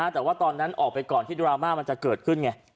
แต่ว่าตอนนั้นออกไปก่อนที่ดราม่ามันจะเกิดขึ้นไง